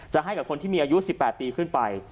ให้กับคนที่มีอายุ๑๘ปีขึ้นไป